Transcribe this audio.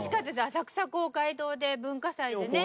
浅草公会堂で文化祭でね。